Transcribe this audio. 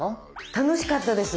楽しかったです。